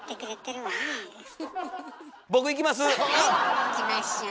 はいいきましょう。